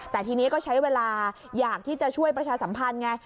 แต่ทีนี้ก็ใช้เวลาอยากที่จะช่วยประชาสัมพันธ์ไง